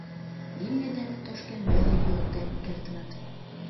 Имне дене тошкен веле йӧрыктен кертыныт.